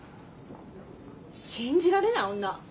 信じられない女。